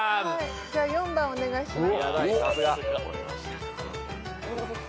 じゃあ４番お願いします。